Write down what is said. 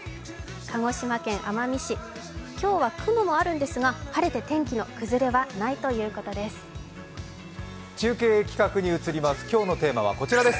鹿児島県奄美市、今日は雲もあるんですが、晴れて、天気の崩れはないということです。